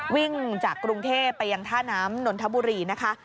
วิ่งจากกรุงเทพไปยังท่าน้ำนนทบุรีนะคะ